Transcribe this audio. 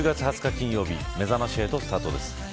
金曜日めざまし８スタートです。